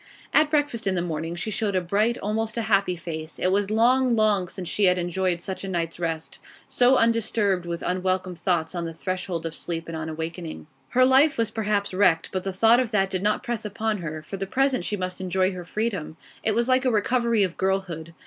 At breakfast in the morning she showed a bright, almost a happy face. It was long, long since she had enjoyed such a night's rest, so undisturbed with unwelcome thoughts on the threshold of sleep and on awaking. Her life was perhaps wrecked, but the thought of that did not press upon her; for the present she must enjoy her freedom. It was like a recovery of girlhood.